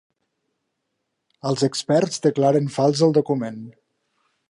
Els experts declararen fals el document.